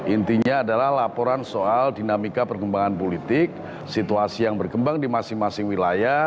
intinya adalah laporan soal dinamika perkembangan politik situasi yang berkembang di masing masing wilayah